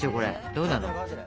どうなの？